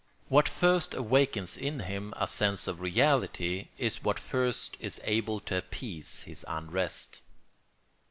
What first awakens in him a sense of reality is what first is able to appease his unrest.